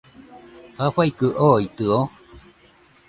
¿jafaikɨ ooitɨo.?